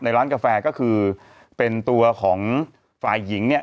ร้านกาแฟก็คือเป็นตัวของฝ่ายหญิงเนี่ย